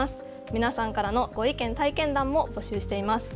皆さんからのご意見、体験談も募集しています。